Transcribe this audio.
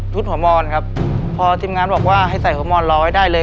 หัวมอนครับพอทีมงานบอกว่าให้ใส่หัวมอนร้อยได้เลย